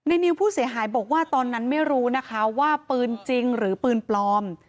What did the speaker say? นิวผู้เสียหายบอกว่าตอนนั้นไม่รู้นะคะว่าปืนจริงหรือปืนปลอม